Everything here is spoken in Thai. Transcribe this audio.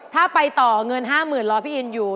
ถ้าไปต่อเงิน๕๐๐๐รอพี่อินอยู่